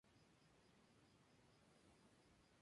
Se observan en la figura curvas diferentes.